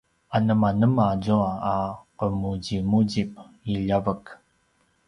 anemanema azua a qemuzimuzip i ljavek?